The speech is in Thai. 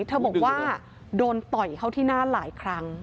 เธอบอกว่าโดนต่อยเข้าที่หน้าหลายครั้ง